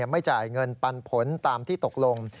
ไม่จ่ายเงินปันผลตามที่ตกลง